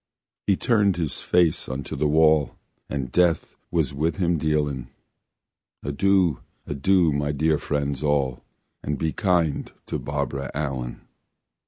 He turned his face unto the wall, And death was with him dealin': "Adieu, adieu, my dear friends all, And be kind to Barbara Allen!"